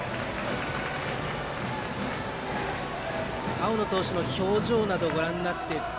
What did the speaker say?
青野投手の表情などご覧になって。